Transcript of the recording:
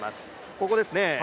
ここですね。